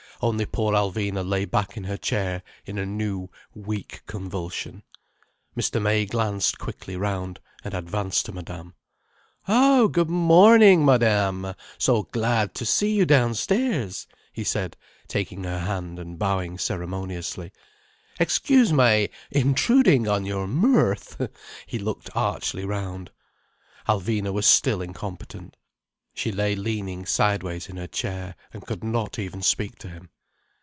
Only poor Alvina lay back in her chair in a new weak convulsion. Mr. May glanced quickly round, and advanced to Madame. "Oh, good morning, Madame, so glad to see you downstairs," he said, taking her hand and bowing ceremoniously. "Excuse my intruding on your mirth!" He looked archly round. Alvina was still incompetent. She lay leaning sideways in her chair, and could not even speak to him.